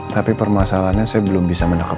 tapi permasalahannya saya belum bisa menangkap